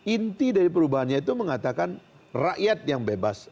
inti dari perubahannya itu mengatakan rakyat yang bebas